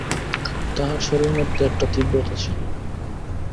তাহার স্বরের মধ্যে একটা তীব্রতা ছিল।